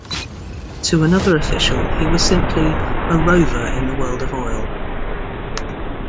To another official, he was simply "a rover in the world of oil".